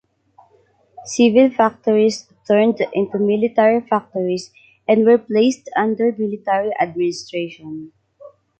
Civil factories turned into military factories and were placed under military administration.